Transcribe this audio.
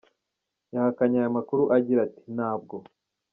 yahakanye aya makuru agira ati, Ntabwo.